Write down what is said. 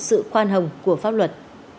sự khoan hồng của pháp luật